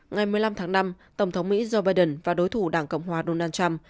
ngày một mươi năm tháng năm tổng thống mỹ joe biden và đối thủ đảng cộng hòa donald trump